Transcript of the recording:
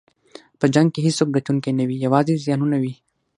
په جنګ کې هېڅوک ګټونکی نه وي، یوازې زیانونه وي.